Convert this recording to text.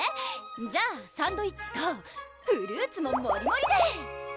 じゃあサンドイッチとフルーツももりもりで！